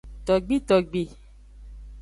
Togbitogbi.